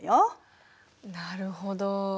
なるほど。